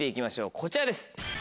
こちらです。